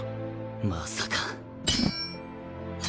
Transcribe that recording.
まさか。